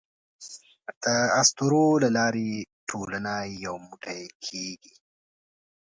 د اسطورو له لارې ټولنه یو موټی کېږي.